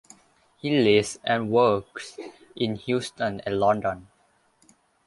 He lives and works in Houston and London.